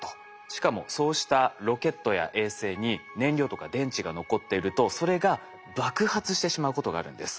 しかもそうしたロケットや衛星に燃料とか電池が残っているとそれが爆発してしまうことがあるんです。